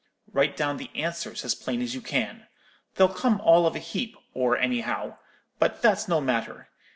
Write down the answers as plain as you can. They'll come all of a heap, or anyhow; but that's no matter.